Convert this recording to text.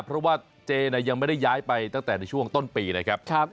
เพราะว่าเจยังไม่ได้ย้ายไปตั้งแต่ในช่วงต้นปีนะครับ